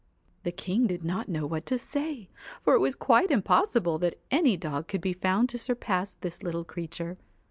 The king did not know what to say, for it was quite impossible that any dog could be found to surpass this little creature.